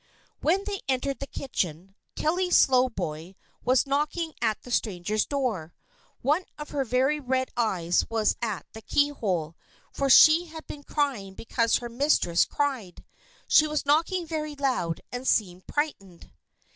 When they entered the kitchen, Tilly Slowboy was knocking at the Stranger's door. One of her very red eyes was at the keyhole, for she had been crying because her mistress cried. She was knocking very loud, and seemed frightened.